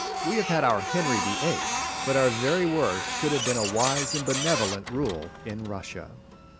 We have had our Henry the Eighth, but our very worst would have been a wise and benevolent rule in Russia.